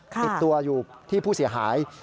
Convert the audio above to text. ติดตัวอยู่ที่ผู้เสียหาย